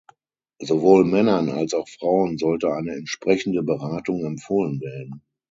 Sowohl Männern als auch Frauen sollte eine entsprechende Beratung empfohlen werden.